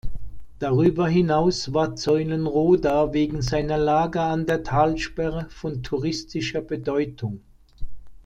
Darüber hinaus war Zeulenroda wegen seiner Lage an der Talsperre von touristischer Bedeutung.